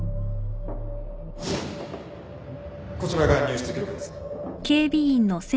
こちらが入室記録です